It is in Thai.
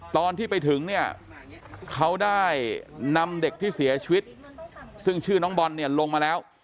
ตอนที่ไปถึงเนี่ยเขาได้นำเด็กที่เสียชีวิตซึ่งชื่อน้องบอลเนี่ยลงมาแล้ว